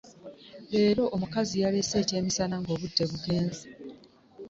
Leero omukazi yaleese ekyemisana nga obudde bugenze.